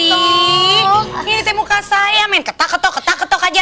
ini di muka saya main ketak ketok ketak ketok aja